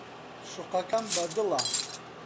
شوقەکەم بەدڵە.